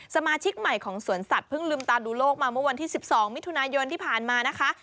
สมาชิกใหม่ของสวนสัตว์เพิ่งลืมตาดูโลกมาเมื่อวันที่๑๒มิถุนายนที่ผ่านมานะคะ